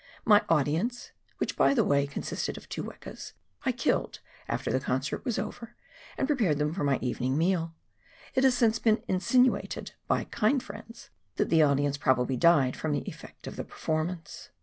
My audience — which, by the way, consisted of two wekas — I killed after the concert was over and prepared them for my evening meal. It has since been insinuated, by kind friends, that the audience probably died from the effect of the performance